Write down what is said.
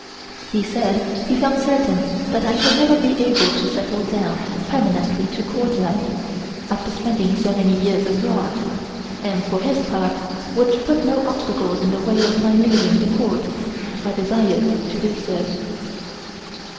He said he felt certain that I should never be able to settle down permanently to Court life after spending so many years abroad, and for his part would put no obstacles in the way of my leaving the Court if I desired to do so.